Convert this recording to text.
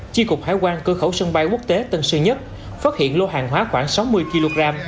chi cục hải quan cơ khẩu sân bay quốc tế tân sơn nhất phát hiện lô hàng hóa khoảng sáu mươi kg